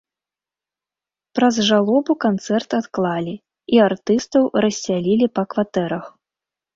Праз жалобу канцэрт адклалі, і артыстаў рассялілі па кватэрах.